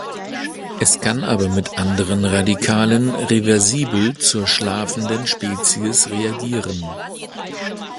Es kann aber mit anderen Radikalen reversibel zur schlafenden Spezies reagieren.